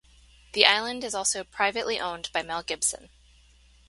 The island is also privately owned by Mel Gibson.